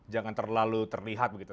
jangan terlalu terlihat begitu